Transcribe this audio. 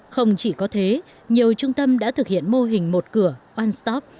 không chỉ có thế nhiều trung tâm đã thực hiện mô hình một cửa one stop